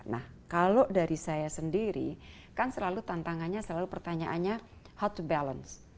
nah kalau dari saya sendiri kan selalu tantangannya selalu pertanyaannya how to balance